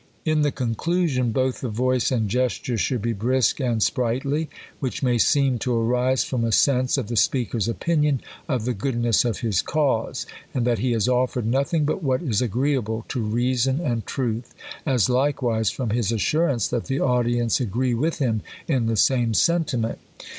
In the conclusion, both the voice and gesture shouhl he brisk and sprightly ; which may seem to arise from a sense of the speaker's opinion of the good ness of his cause, and that he has offered nothing but what is agreeable to reason and truth ; as likewise from his assurance that the audience agree with him in the same sentiment.